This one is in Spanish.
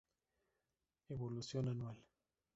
Evolución anual.